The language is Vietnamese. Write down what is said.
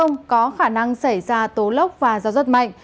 trong cơn rào có khả năng xảy ra tố lốc và gió rất mạnh